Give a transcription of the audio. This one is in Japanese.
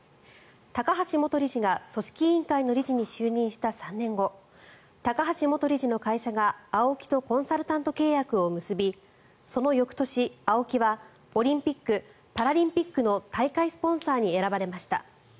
高橋元理事が組織委員会の理事に就任した３年後高橋元理事の会社がＡＯＫＩとコンサルタント契約を結びその翌年、ＡＯＫＩはオリンピック・パラリンピックの大会スポンサーに選ばれました。